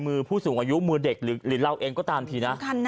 ผู้สูงอายุมือเด็กหรือเราเองก็ตามทีนะ